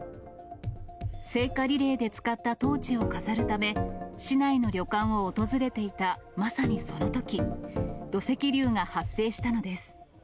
聖火リレーで使ったトーチを飾るため、市内の旅館を訪れていたまさにそのとき、土石流が発生したのです。